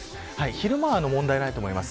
昼間は問題ないと思います。